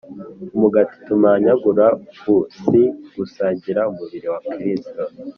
Umugati tumanyagura u si ugusangira umubiri wa Kristo